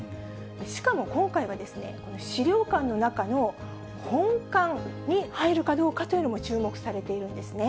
しかも今回は、資料館の中の本館に入るかどうかというのも注目されているんですね。